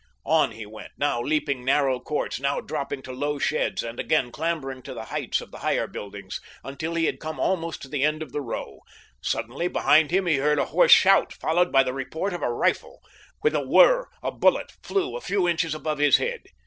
On he went, now leaping narrow courts, now dropping to low sheds and again clambering to the heights of the higher buildings, until he had come almost to the end of the row. Suddenly, behind him he heard a hoarse shout, followed by the report of a rifle. With a whir, a bullet flew a few inches above his head.